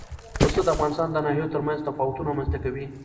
پسه د افغانستان د ناحیو ترمنځ تفاوتونه رامنځ ته کوي.